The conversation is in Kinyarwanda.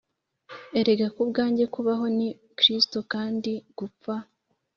Erega ku bwanjye kubaho ni kristo kandi gupfa